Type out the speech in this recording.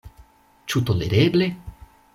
Ĉu tolereble?